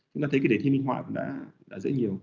chúng ta thấy cái đề thi minh họa cũng đã dễ nhiều